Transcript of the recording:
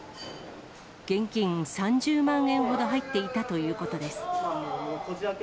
現金３０万円ほど入っていたということです。